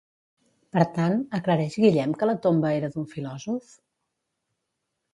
Per tant, aclareix Guillem que la tomba era d'un filòsof?